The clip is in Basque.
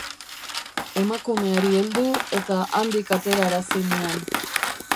Emakumeari heldu, eta handik aterarazi nian.